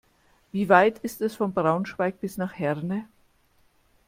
Wie weit ist es von Braunschweig bis nach Herne?